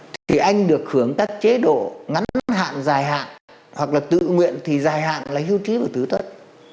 thì anh được hướng các chế độ ngắn hạn dài hạn hoặc là tự nguyện thì dài hạn là hưu trí và tứ thất